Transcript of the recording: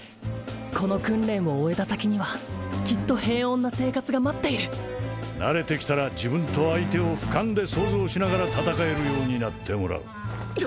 この訓練を終えた先にはきっと平穏な生活が待っている慣れてきたら自分と相手をふかんで想像しながら戦えるようになってもらういや